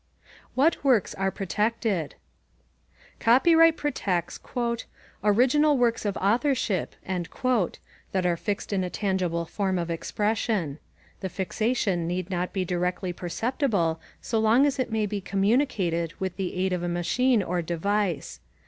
WHAT WORKS ARE PROTECTED? Copyright protects "original works of authorship" that are fixed in a tangible form of expression. The fixation need not be directly perceptible so long as it may be communicated with the aid of a machine or device.